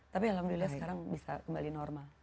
tapi alhamdulillah sekarang bisa kembali normal